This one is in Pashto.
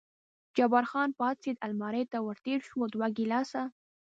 جبار خان پاڅېد، المارۍ ته ور تېر شو، دوه ګیلاسه.